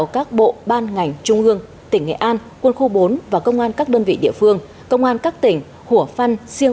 chào mừng kỷ niệm